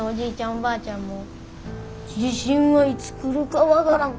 おばあちゃんも「地震はいつ来るか分からん」